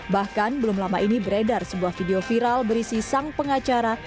bahkan belum lama ini beredar sebuah video viral berisi sang pengacara